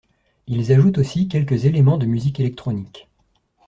Ils ajoutent aussi quelques éléments de musique électronique.